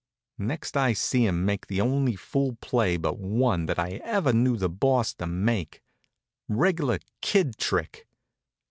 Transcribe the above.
Next I see him make the only fool play but one that I ever knew the Boss to make reg'lar kid trick.